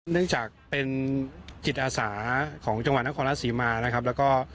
เนื่องจากเป็นจิตอาสาของจังหวัดนครราชศรีมานะครับแล้วก็